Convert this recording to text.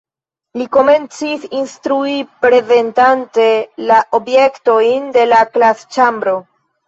Li komencis instrui prezentante la objektojn de la klasĉambro.